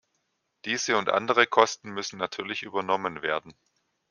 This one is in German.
Diese und andere Kosten müssen natürlich übernommen werden.